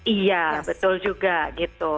iya betul juga gitu